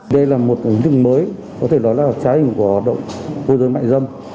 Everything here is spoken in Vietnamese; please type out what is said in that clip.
đây là một ứng dụng mới có thể nói là trái hình của hoạt động mua dâm mại dâm